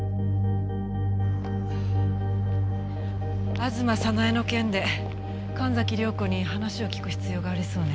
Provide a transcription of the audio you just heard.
吾妻早苗の件で神崎涼子に話を聞く必要がありそうね。